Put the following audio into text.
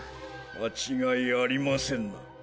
間違いありませんな。